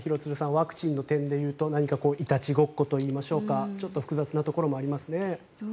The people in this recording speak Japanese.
ワクチンの点で言うといたちごっこといいましょうかちょっと複雑なところもありますね。